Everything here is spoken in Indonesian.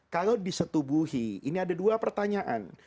kalau disetubuhi ini ada dua pertanyaan